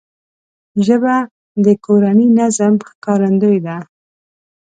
ژبه د کورني نظم ښکارندوی ده